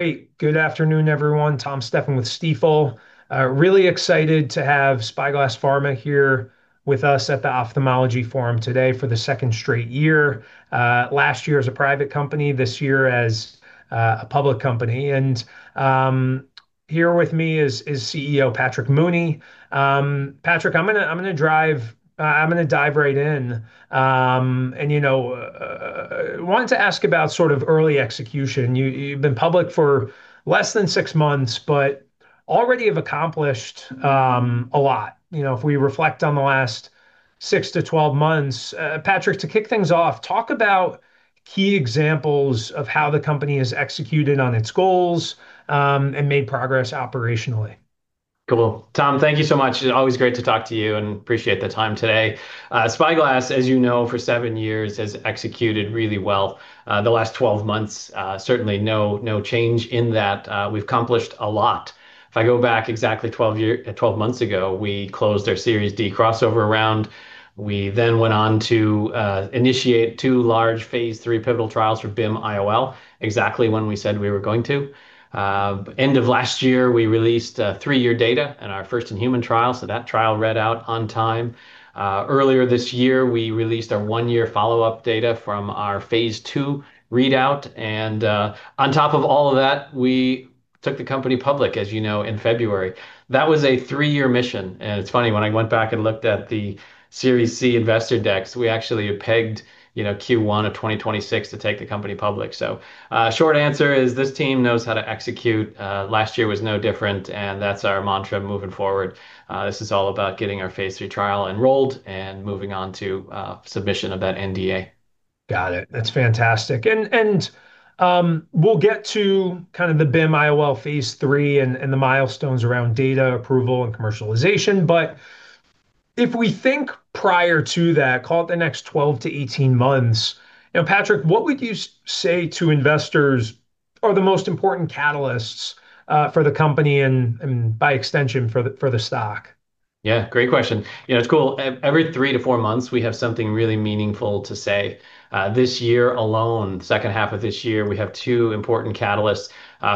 Hey, good afternoon, everyone. Tom Stephan with Stifel. Really excited to have SpyGlass Pharma here with us at the Ophthalmology Forum today for the second straight year. Last year as a private company, this year as a public company. Here with me is CEO Patrick Mooney. Patrick, I'm going to dive right in. Wanted to ask about early execution. You've been public for less than six months, but already have accomplished a lot. If we reflect on the last six to 12 months, Patrick, to kick things off, talk about key examples of how the company has executed on its goals, and made progress operationally. Cool. Tom, thank you so much. Always great to talk to you and appreciate the time today. SpyGlass, as you know, for seven years has executed really well. The last 12 months, certainly no change in that. We've accomplished a lot. If I go back exactly 12 months ago, we closed our Series D crossover round. We then went on to initiate two large phase III pivotal trials for BIM IOL, exactly when we said we were going to. End of last year, we released three-year data in our First-in-Human trial, so that trial read out on time. Earlier this year, we released our one-year follow-up data from our phase II readout. On top of all of that, we took the company public, as you know, in February. That was a three-year mission. It's funny, when I went back and looked at the Series C investor decks, we actually had pegged Q1 of 2026 to take the company public. Short answer is this team knows how to execute. Last year was no different, and that's our mantra moving forward. This is all about getting our phase III trial enrolled and moving on to submission of that NDA. Got it. That's fantastic. We'll get to the BIM-IOL phase III and the milestones around data approval and commercialization. If we think prior to that, call it the next 12 to 18 months, Patrick, what would you say to investors are the most important catalysts for the company and by extension for the stock? Yeah, great question. It's cool. Every three to four months, we have something really meaningful to say. This year alone, second half of this year, we have two important catalysts.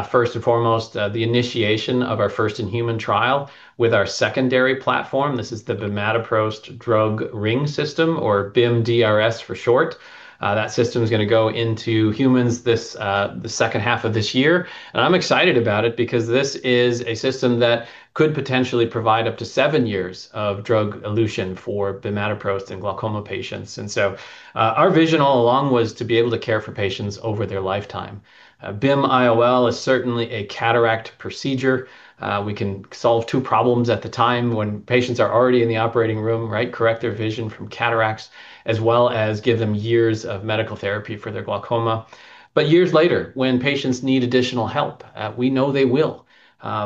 First and foremost, the initiation of our first-in-human trial with our secondary platform. This is the Bimatoprost Drug Ring System or BIM-DRS for short. That system's going to go into humans the second half of this year, and I'm excited about it because this is a system that could potentially provide up to seven years of drug elution for bimatoprost in glaucoma patients. Our vision all along was to be able to care for patients over their lifetime. BIM-IOL is certainly a cataract procedure. We can solve two problems at the same time when patients are already in the operating room. Correct their vision from cataracts, as well as give them years of medical therapy for their glaucoma. Years later, when patients need additional help, we know they will.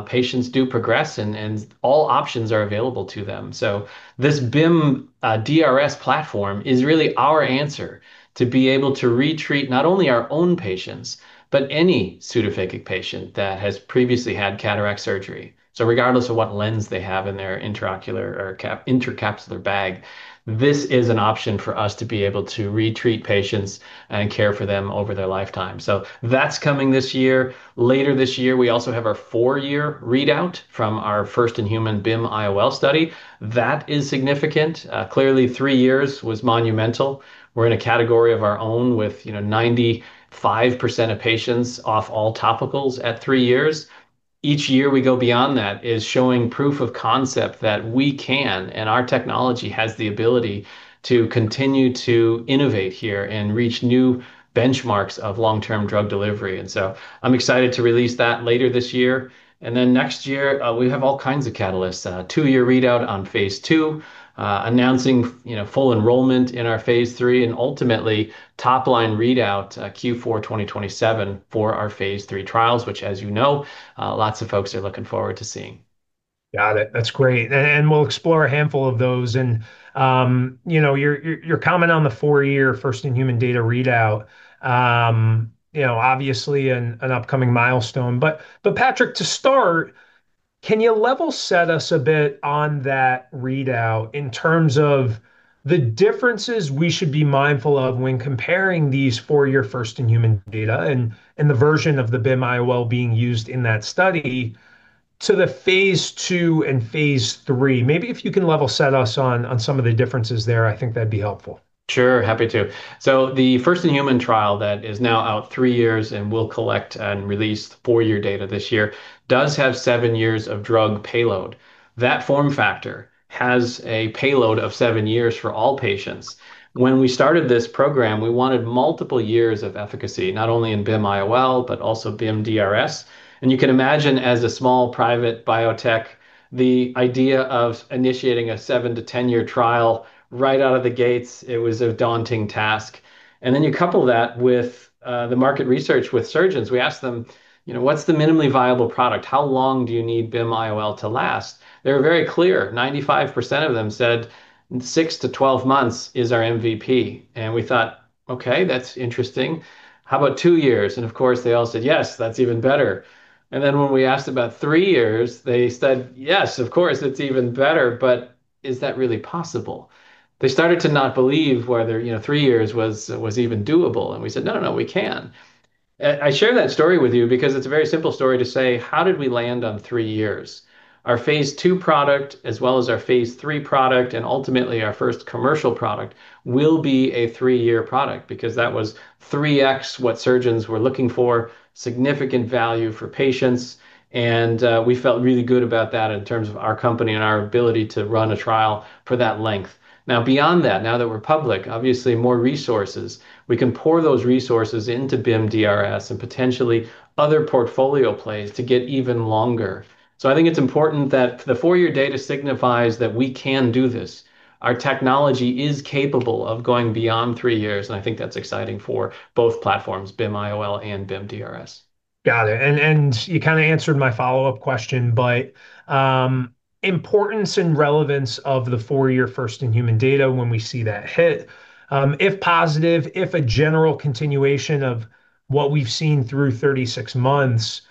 Patients do progress and all options are available to them. This BIM-DRS platform is really our answer to be able to re-treat not only our own patients, but any pseudophakic patient that has previously had cataract surgery. Regardless of what lens they have in their intraocular or intracapsular bag, this is an option for us to be able to re-treat patients and care for them over their lifetime. That's coming this year. Later this year, we also have our four-year readout from our first-in-human BIM-IOL study. That is significant. Clearly, three years was monumental. We're in a category of our own with 95% of patients off all topicals at three years. Each year we go beyond that is showing proof of concept that we can, and our technology has the ability to continue to innovate here and reach new benchmarks of long-term drug delivery. I'm excited to release that later this year. Next year, we have all kinds of catalysts, a two-year readout on phase II, announcing full enrollment in our phase III, and ultimately top line readout Q4 2027 for our phase III trials, which as you know, lots of folks are looking forward to seeing. Got it. That's great. We'll explore a handful of those. Your comment on the four-year First-in-Human data readout, obviously an upcoming milestone. Patrick, to start, can you level set us a bit on that readout in terms of the differences we should be mindful of when comparing these four-year First-in-Human data and the version of the BIM-IOL being used in that study to the phase II and phase III? Maybe if you can level set us on some of the differences there, I think that'd be helpful. Sure. Happy to. The first-in-human trial that is now out three years and will collect and release the four-year data this year, does have seven years of drug payload. That form factor has a payload of seven years for all patients. When we started this program, we wanted multiple years of efficacy, not only in BIM-IOL, but also BIM-DRS. You can imagine as a small private biotech, the idea of initiating a seven to 10-year trial right out of the gates, it was a daunting task. Then you couple that with the market research with surgeons. We asked them, "What's the minimally viable product? How long do you need BIM-IOL to last?" They were very clear. 95% of them said six to 12 months is our MVP. We thought, okay, that's interesting. How about two years? Of course, they all said, "Yes, that's even better." Then when we asked about three years, they said, "Yes, of course, it's even better, but is that really possible?" They started to not believe whether three years was even doable, and we said, "No, no, we can." I share that story with you because it's a very simple story to say, how did we land on three years? Our phase II product as well as our phase III product, and ultimately our first commercial product will be a three-year product because that was 3X what surgeons were looking for, significant value for patients, and we felt really good about that in terms of our company and our ability to run a trial for that length. Beyond that, now that we're public, obviously more resources. We can pour those resources into BIM-DRS and potentially other portfolio plays to get even longer. I think it's important that the 4-year data signifies that we can do this. Our technology is capable of going beyond 3 years, and I think that's exciting for both platforms, BIM-IOL and BIM-DRS. Got it. You answered my follow-up question, but importance and relevance of the four-year First-in-Human data when we see that hit. If positive, if a general continuation of what we've seen through 36 months,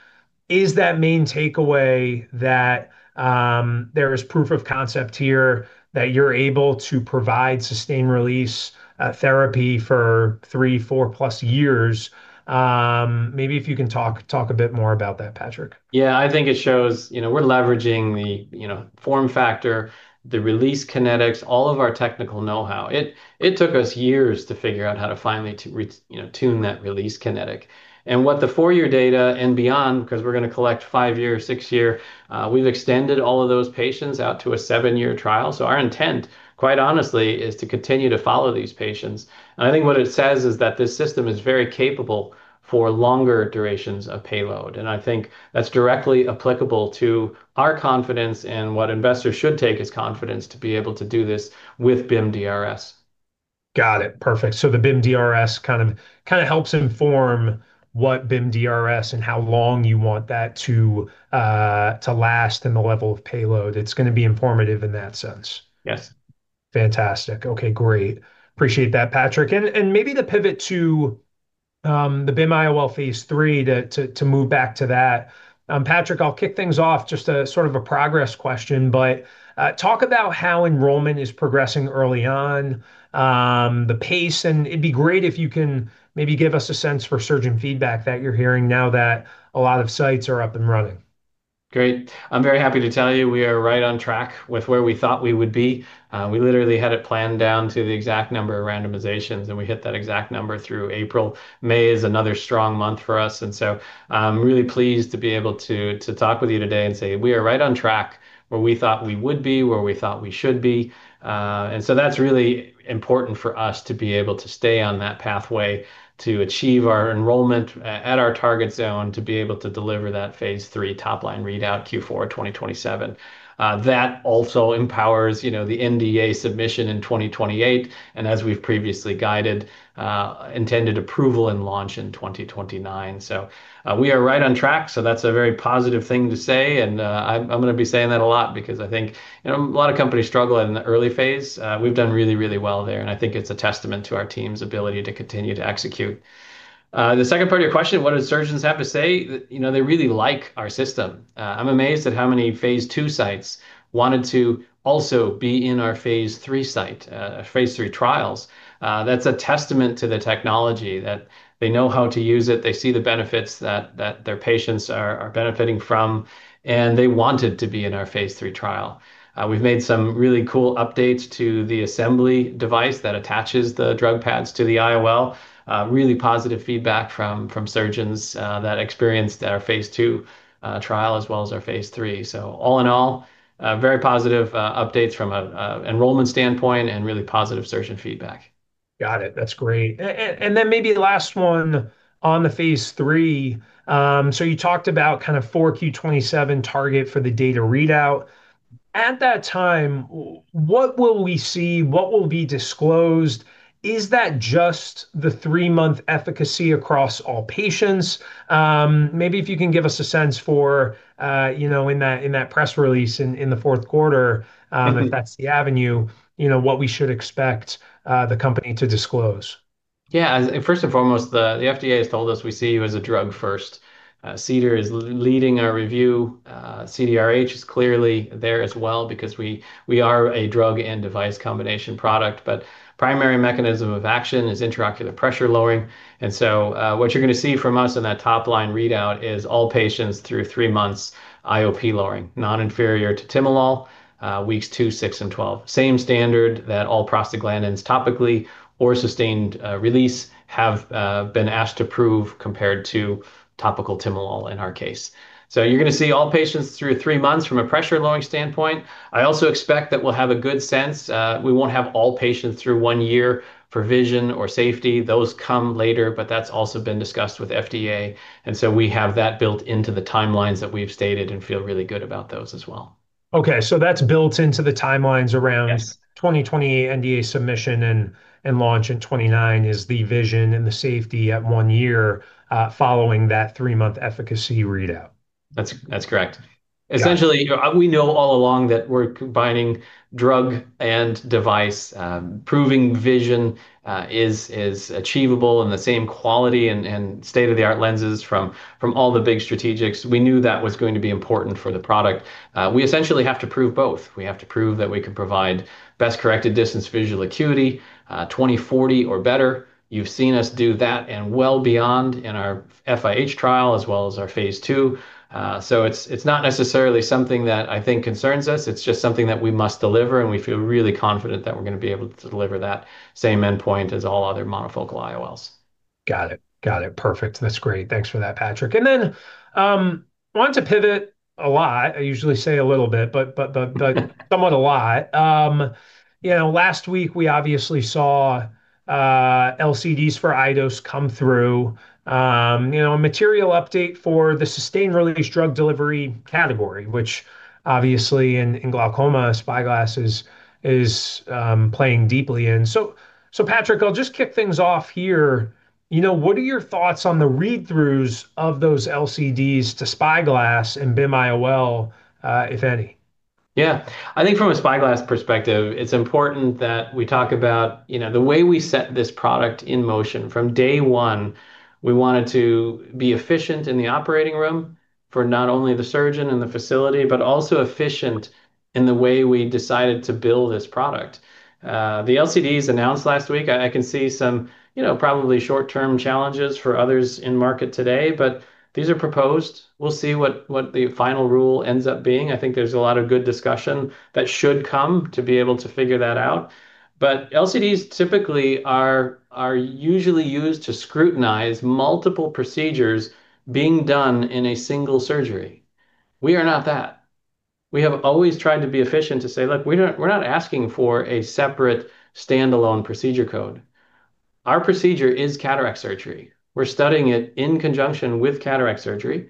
is that main takeaway that there is proof of concept here that you're able to provide sustained release therapy for three, four plus years? Maybe if you can talk a bit more about that, Patrick. Yeah, I think it shows we're leveraging the form factor, the release kinetics, all of our technical know-how. It took us years to figure out how to finally tune that release kinetics. What the four-year data and beyond, because we're going to collect five-year, six-year, we've extended all of those patients out to a seven-year trial. Our intent, quite honestly, is to continue to follow these patients. I think what it says is that this system is very capable for longer durations of payload, and I think that's directly applicable to our confidence and what investors should take as confidence to be able to do this with BIM-DRS. Got it. Perfect. The BIM-DRS helps inform what BIM-DRS and how long you want that to last and the level of payload. It's going to be informative in that sense. Yes. Fantastic. Okay, great. Appreciate that, Patrick. Maybe the pivot to the BIM-IOL phase III to move back to that. Patrick, I'll kick things off, just a sort of a progress question, but talk about how enrollment is progressing early on, the pace, and it'd be great if you can maybe give us a sense for surgeon feedback that you're hearing now that a lot of sites are up and running. Great. I'm very happy to tell you we are right on track with where we thought we would be. We literally had it planned down to the exact number of randomizations, and we hit that exact number through April. May is another strong month for us, and so I'm really pleased to be able to talk with you today and say we are right on track where we thought we would be, where we thought we should be. That's really important for us to be able to stay on that pathway to achieve our enrollment at our target zone to be able to deliver that phase III top line readout Q4 2027. That also empowers the NDA submission in 2028, and as we've previously guided, intended approval and launch in 2029. We are right on track, so that's a very positive thing to say, and I'm going to be saying that a lot because I think a lot of companies struggle in the early phase. We've done really well there, and I think it's a testament to our team's ability to continue to execute. The second part of your question, what do surgeons have to say? They really like our system. I'm amazed at how many phase II sites wanted to also be in our phase III trials. That's a testament to the technology that they know how to use it. They see the benefits that their patients are benefiting from, and they wanted to be in our phase III trial. We've made some really cool updates to the assembly device that attaches the drug-eluting pads to the IOL. Really positive feedback from surgeons that experienced our phase II trial as well as our phase III. All in all, very positive updates from an enrollment standpoint and really positive surgeon feedback. Got it. That's great. Maybe last one on the phase III. You talked about kind of 4Q27 target for the data readout. At that time, what will we see? What will be disclosed? Is that just the three-month efficacy across all patients? Maybe if you can give us a sense for in that press release in the fourth quarter, if that's the avenue, what we should expect the company to disclose. Yeah. First and foremost, the FDA has told us we see you as a drug first. CDER is leading our review. CDRH is clearly there as well because we are a drug and device combination product. Primary mechanism of action is intraocular pressure lowering. What you're going to see from us in that top line readout is all patients through three months IOP lowering, non-inferior to timolol, weeks two, six, and 12. Same standard that all prostaglandins topically or sustained release have been asked to prove compared to topical timolol in our case. You're going to see all patients through three months from a pressure lowering standpoint. I also expect that we'll have a good sense. We won't have all patients through one year for vision or safety. Those come later, but that's also been discussed with FDA, and so we have that built into the timelines that we've stated and feel really good about those as well. Okay. that's built into the timelines around. Yes. 2028 NDA submission and launch in 2029 is the vision and the safety at one year following that three-month efficacy readout. That's correct. Essentially, we know all along that we're combining drug and device, proving vision is achievable in the same quality and state-of-the-art lenses from all the big strategics. We knew that was going to be important for the product. We essentially have to prove both. We have to prove that we can provide best-corrected distance visual acuity, 20/40 or better. You've seen us do that and well beyond in our FIH trial, as well as our phase II. It's not necessarily something that I think concerns us. It's just something that we must deliver, and we feel really confident that we're going to be able to deliver that same endpoint as all other monofocal IOLs. Got it. Perfect. That's great. Thanks for that, Patrick. I want to pivot a lot. I usually say a little bit, but somewhat a lot. Last week we obviously saw LCDs for iDose TR come through. A material update for the sustained-release drug delivery category, which obviously in glaucoma, SpyGlass is playing deeply in. Patrick, I'll just kick things off here. What are your thoughts on the read-throughs of those LCDs to SpyGlass and BIM-IOL System, if any? Yeah. I think from a SpyGlass perspective, it's important that we talk about the way we set this product in motion. From day one, we wanted to be efficient in the operating room for not only the surgeon and the facility, but also efficient in the way we decided to build this product. The LCDs announced last week, I can see some probably short-term challenges for others in market today, but these are proposed. We'll see what the final rule ends up being. I think there's a lot of good discussion that should come to be able to figure that out. LCDs typically are usually used to scrutinize multiple procedures being done in a single surgery. We are not that. We have always tried to be efficient to say, look, we're not asking for a separate standalone procedure code. Our procedure is cataract surgery. We're studying it in conjunction with cataract surgery.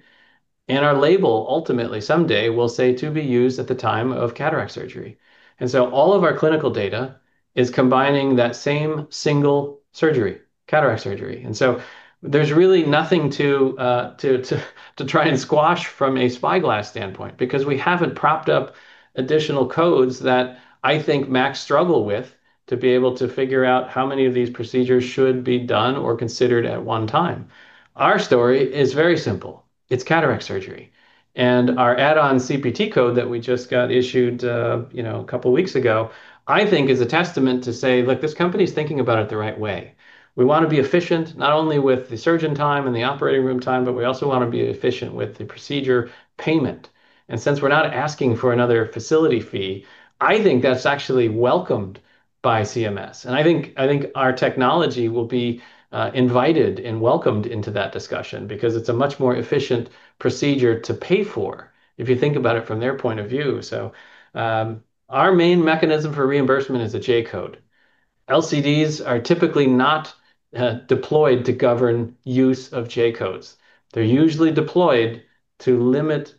Our label, ultimately, someday, will say to be used at the time of cataract surgery. All of our clinical data is combining that same single surgery, cataract surgery. There's really nothing to try and squash from a SpyGlass standpoint, because we haven't propped up additional codes that I think MACs struggle with to be able to figure out how many of these procedures should be done or considered at one time. Our story is very simple. It's cataract surgery. Our add-on CPT code that we just got issued a couple of weeks ago, I think is a testament to say, look, this company's thinking about it the right way. We want to be efficient, not only with the surgeon time and the operating room time, but we also want to be efficient with the procedure payment. Since we're not asking for another facility fee, I think that's actually welcomed by CMS. I think our technology will be invited and welcomed into that discussion because it's a much more efficient procedure to pay for, if you think about it from their point of view. Our main mechanism for reimbursement is a J-code. LCDs are typically not deployed to govern use of J-codes. They're usually deployed to limit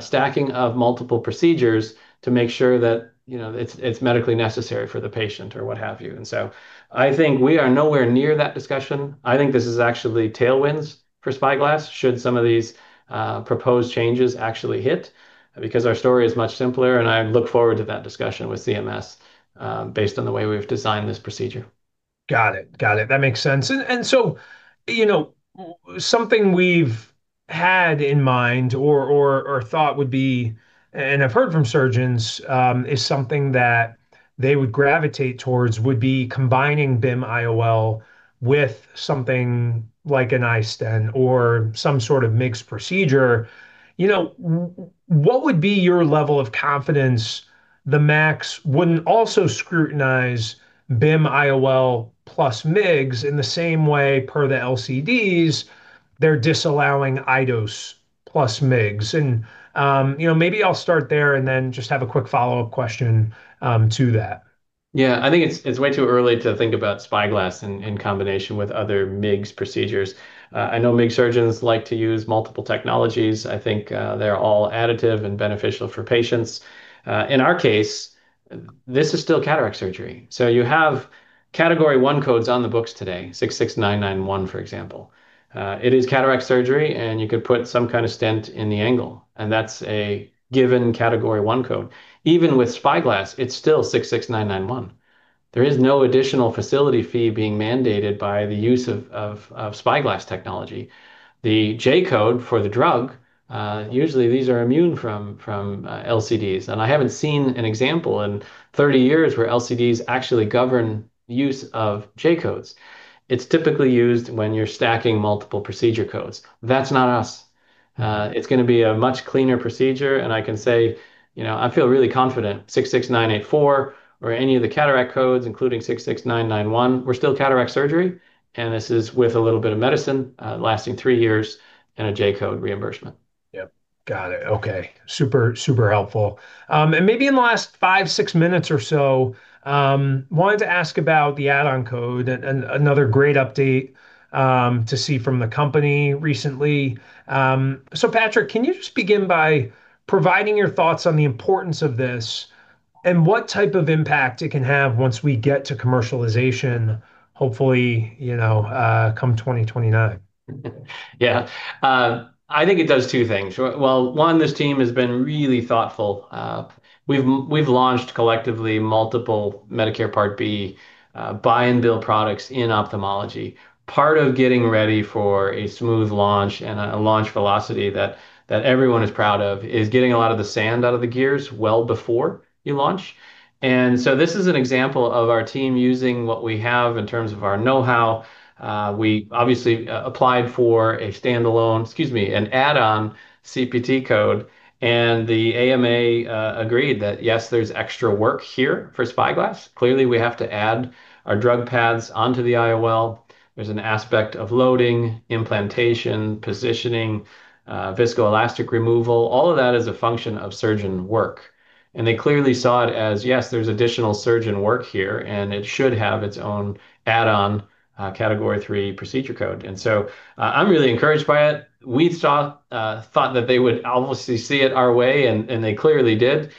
stacking of multiple procedures to make sure that it's medically necessary for the patient or what have you. I think we are nowhere near that discussion. I think this is actually tailwinds for SpyGlass should some of these proposed changes actually hit, because our story is much simpler and I look forward to that discussion with CMS based on the way we've designed this procedure. Got it. That makes sense. Something we've had in mind or thought would be, and I've heard from surgeons, is something that they would gravitate towards, would be combining BIM-IOL with something like an iStent or some sort of mixed procedure. What would be your level of confidence the MACs wouldn't also scrutinize BIM-IOL plus MIGS in the same way per the LCDs they're disallowing iDose TR plus MIGS? Maybe I'll start there and then just have a quick follow-up question to that. Yeah, I think it's way too early to think about SpyGlass in combination with other MIGS procedures. I know MIGS surgeons like to use multiple technologies. I think they're all additive and beneficial for patients. In our case, this is still cataract surgery. You have Category 1 codes on the books today, 66991, for example. It is cataract surgery and you could put some kind of stent in the angle, and that's a given Category 1 code. Even with SpyGlass, it's still 66991. There is no additional facility fee being mandated by the use of SpyGlass technology. The J-code for the drug, usually these are immune from LCDs, and I haven't seen an example in 30 years where LCDs actually govern use of J-codes. It's typically used when you're stacking multiple procedure codes. That's not us. It's going to be a much cleaner procedure and I can say, I feel really confident 66984 or any of the cataract codes, including 66991. We're still cataract surgery, and this is with a little bit of medicine lasting three years and a J-code reimbursement. Yep. Got it. Okay. Super helpful. Maybe in the last five, six minutes or so, wanted to ask about the add-on code, another great update to see from the company recently. Patrick, can you just begin by providing your thoughts on the importance of this and what type of impact it can have once we get to commercialization, hopefully, come 2029? Yeah. I think it does two things. Well, one, this team has been really thoughtful. We've launched collectively multiple Medicare Part B buy-and-bill products in ophthalmology. Part of getting ready for a smooth launch and a launch velocity that everyone is proud of is getting a lot of the sand out of the gears well before you launch. This is an example of our team using what we have in terms of our knowhow. We obviously applied for an add-on CPT code, and the AMA agreed that, yes, there's extra work here for SpyGlass. Clearly, we have to add our drug-eluting pads onto the IOL. There's an aspect of loading, implantation, positioning, viscoelastic removal. All of that is a function of surgeon work. They clearly saw it as, yes, there's additional surgeon work here, and it should have its own add-on Category III procedure code. I'm really encouraged by it. We thought that they would obviously see it our way, and they clearly did.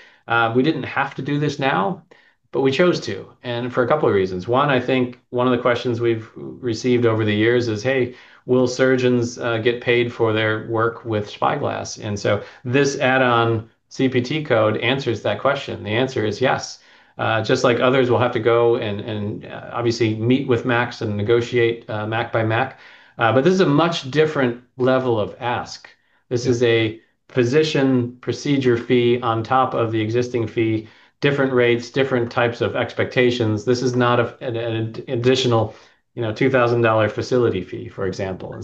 We didn't have to do this now, but we chose to, and for a couple of reasons. One, I think one of the questions we've received over the years is, "Hey, will surgeons get paid for their work with SpyGlass?" The answer is yes. This add-on CPT code answers that question. Just like others will have to go and obviously meet with MACs and negotiate MAC by MAC, but this is a much different level of ask. This is a position procedure fee on top of the existing fee, different rates, different types of expectations. This is not an additional $2,000 facility fee, for example.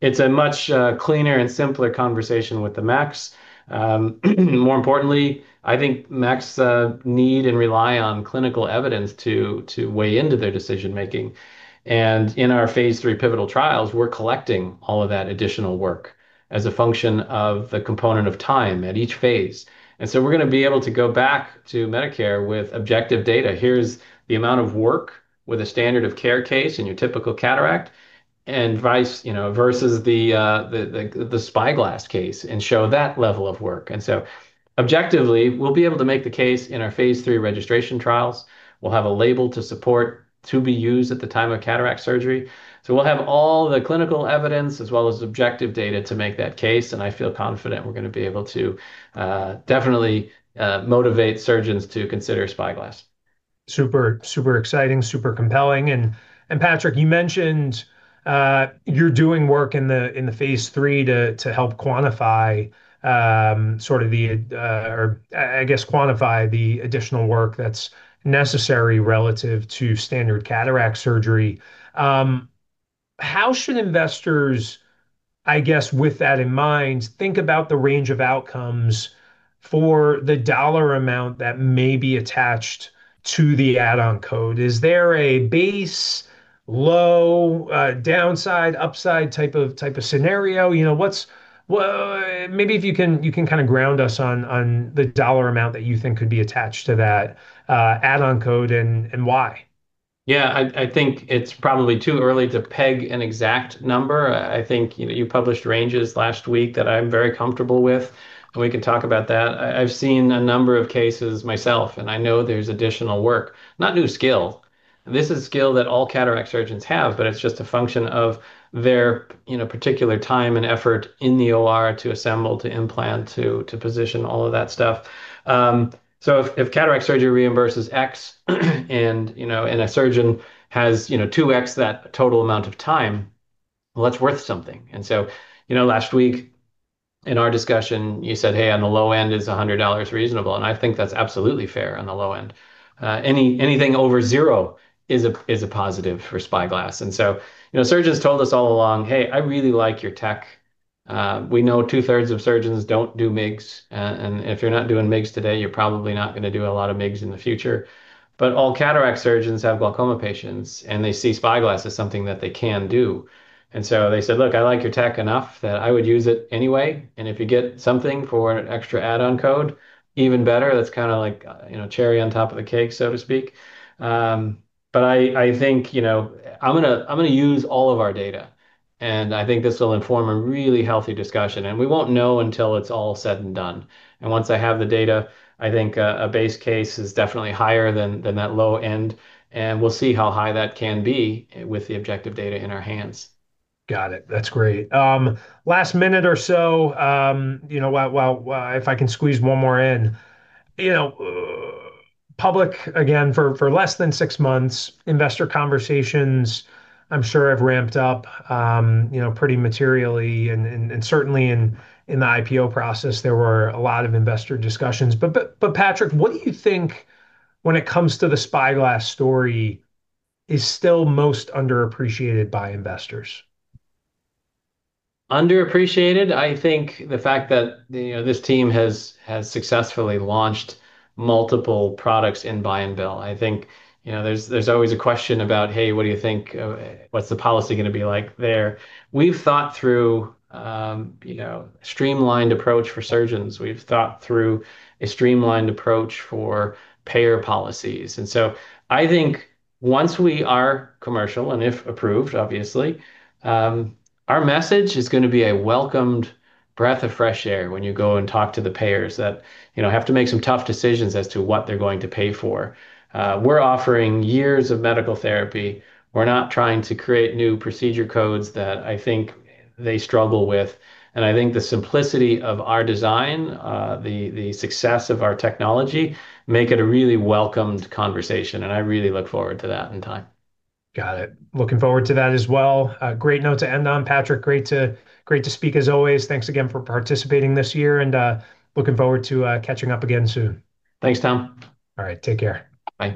It's a much cleaner and simpler conversation with the MACs. More importantly, I think MACs need and rely on clinical evidence to weigh into their decision-making. In our phase III pivotal trials, we're collecting all of that additional work as a function of the component of time at each phase. So we're going to be able to go back to Medicare with objective data. Here's the amount of work with a standard of care case in your typical cataract versus the SpyGlass case and show that level of work. So objectively, we'll be able to make the case in our phase III registration trials. We'll have a label to support to be used at the time of cataract surgery. We'll have all the clinical evidence as well as objective data to make that case, and I feel confident we're going to be able to definitely motivate surgeons to consider SpyGlass. Super exciting, super compelling. Patrick, you mentioned you're doing work in the phase III to help quantify the additional work that's necessary relative to standard cataract surgery. How should investors, I guess with that in mind, think about the range of outcomes for the dollar amount that may be attached to the add-on code? Is there a base low downside, upside type of scenario? Maybe if you can ground us on the dollar amount that you think could be attached to that add-on code and why. Yeah, I think it's probably too early to peg an exact number. I think you published ranges last week that I'm very comfortable with, but we can talk about that. I've seen a number of cases myself, and I know there's additional work, not new skill. This is skill that all cataract surgeons have, but it's just a function of their particular time and effort in the OR to assemble, to implant, to position all of that stuff. If cataract surgery reimburses X and a surgeon has 2X that total amount of time, well, that's worth something. Last week in our discussion, you said, "Hey, on the low end is $100 reasonable?" I think that's absolutely fair on the low end. Anything over 0 is a positive for SpyGlass. Surgeons told us all along, "Hey, I really like your tech." We know two-thirds of surgeons don't do MIGS, and if you're not doing MIGS today, you're probably not going to do a lot of MIGS in the future. All cataract surgeons have glaucoma patients, and they see SpyGlass as something that they can do. They said, "Look, I like your tech enough that I would use it anyway, and if you get something for an extra add-on code, even better." That's kind of like cherry on top of the cake, so to speak. I think I'm going to use all of our data, and I think this will inform a really healthy discussion. We won't know until it's all said and done. Once I have the data, I think a base case is definitely higher than that low end, and we'll see how high that can be with the objective data in our hands. Got it. That's great. Last minute or so, if I can squeeze one more in. Public, again, for less than six months, investor conversations, I'm sure have ramped up pretty materially, and certainly in the IPO process, there were a lot of investor discussions. Patrick, what do you think when it comes to the SpyGlass story is still most underappreciated by investors? Underappreciated? I think the fact that this team has successfully launched multiple products in buy-and-bill. I think there's always a question about, hey, what do you think? What's the policy going to be like there? We've thought through a streamlined approach for surgeons. We've thought through a streamlined approach for payer policies. I think once we are commercial, and if approved, obviously, our message is going to be a welcomed breath of fresh air when you go and talk to the payers that have to make some tough decisions as to what they're going to pay for. We're offering years of medical therapy. We're not trying to create new procedure codes that I think they struggle with. I think the simplicity of our design, the success of our technology, make it a really welcomed conversation, and I really look forward to that in time. Got it. Looking forward to that as well. Great note to end on, Patrick. Great to speak as always. Thanks again for participating this year, and looking forward to catching up again soon. Thanks, Tom. All right. Take care. Bye.